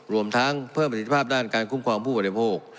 รวมทั้งเพิ่มประสิทธิภาพด้านการคุ้มครองผู้บริโภค